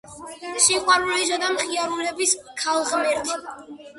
სიყვარულისა და მხიარულების ქალღმერთი.